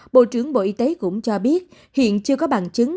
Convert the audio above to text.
bộ trưởng bộ y tế cũng cho biết hiện chưa có bằng chứng